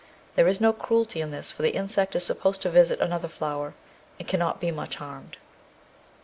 There is no cruelty in this, for the insect is supposed to visit another flower and cannot be much harmed.